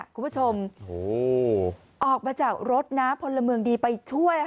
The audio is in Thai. คุณผู้ชมออกมาจากรถนะพลเมืองดีไปช่วย